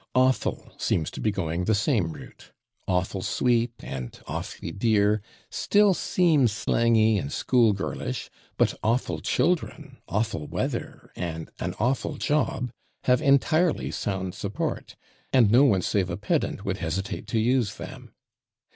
/Awful/ seems to be going the same route. "/Awful/ sweet" and "/awfully/ dear" still seem slangy and school girlish, but "/awful/ children," "/awful/ weather" and "an /awful/ job" have entirely sound support, and no one save a pedant would hesitate to use them.